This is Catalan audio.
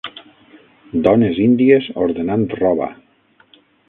Dones índies ordenant roba.